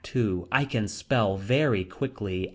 I can spell very quickly.